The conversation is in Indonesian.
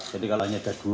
jadi kalau hanya ada dua